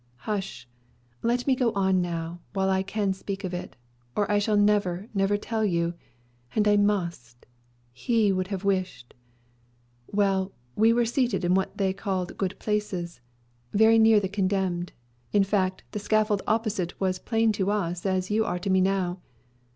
"Hush! Let me go on now, while I can speak of it; or I shall never, never tell you. And I must. He would have wished Well, we were seated in what they called good places; very near the condemned; in fact, the scaffold opposite was plain to us as you are to me now.